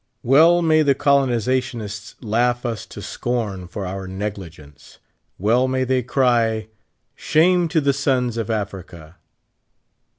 Well may the colonizationists laugh us to scorn for our negli gence ; well may they cr}' :'' Shame to the sons of Africa."